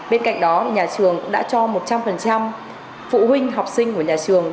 bên cạnh đó nhà trường cũng đã cho một trăm linh phụ huynh học sinh của nhà trường